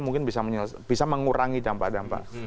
mungkin bisa mengurangi dampak dampak